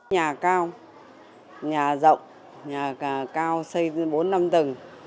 nhà cao nhà rộng nhà cao xây bốn năm tầng